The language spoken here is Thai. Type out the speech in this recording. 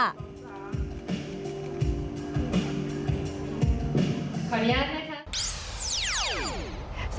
ขออนุญาตนะครับ